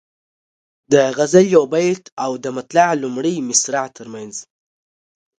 د غزل یو بیت او د مطلع لومړۍ مصرع ترمنځ.